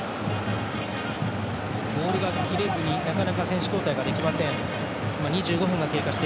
ボールが切れずになかなか選手交代ができません。